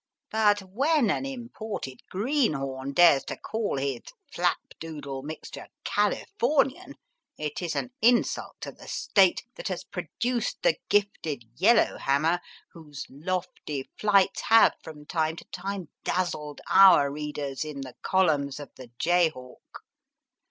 But when an imported greenhorn dares to call his flapdoodle mixture " Californian," it is an insult to the State that has produced the gifted " Yellow Hammer," whose lofty flights have from time to time dazzled our readers in the columns of the Jay Hawk.